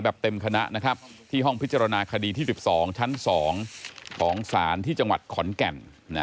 เต็มคณะนะครับที่ห้องพิจารณาคดีที่๑๒ชั้น๒ของศาลที่จังหวัดขอนแก่น